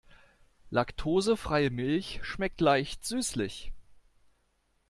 Laktosefreie Milch schmeckt leicht süßlich.